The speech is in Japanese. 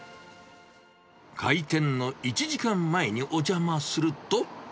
開店の１時間前にお邪魔すると。